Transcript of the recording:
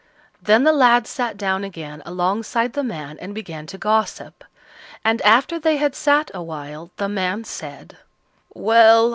Then the lad sat down again alongside the man and began to gossip, and after they had sat a while the man said: "Well!